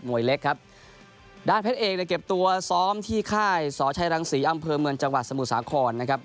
วยเล็กครับด้านเพชรเอกเนี่ยเก็บตัวซ้อมที่ค่ายสชัยรังศรีอำเภอเมืองจังหวัดสมุทรสาครนะครับ